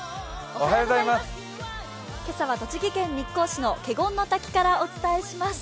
今朝は栃木県日光市の華厳の滝からお伝えします。